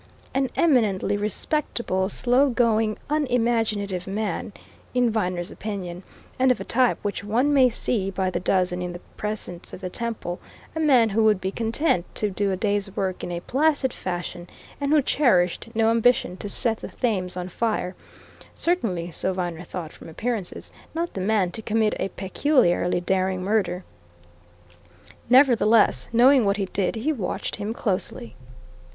An eminently respectable, slow going, unimaginative man, in Viner's opinion, and of a type which one may see by the dozen in the precincts of the Temple; a man who would be content to do a day's work in a placid fashion, and who cherished no ambition to set the Thames on fire; certainly, so Viner thought from appearances, not the man to commit a peculiarly daring murder. Nevertheless, knowing what he did, he watched him closely.